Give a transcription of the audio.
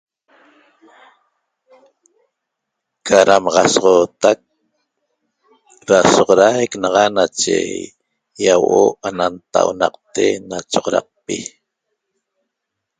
Ca damaxasoxootac da soxodaic naxa nache ýahuo'o ana nntaunaqte na choxodaqpi